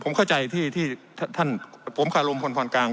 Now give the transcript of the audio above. ผมเข้าใจที่ท่านผมคืออารมณ์คนฟันกลาง